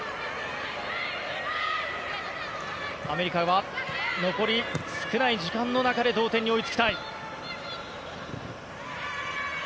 アメリカは残り時間少ない中で同点に追いつきたい。